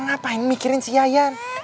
kamu jan apa yang mikirin si yayan